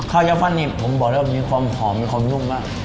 ข้าวย่าฟั่นนี่ผมบอกแล้วมีความหอมมีความนุ่มมาก